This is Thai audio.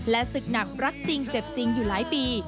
ศึกหนักรักจริงเจ็บจริงอยู่หลายปี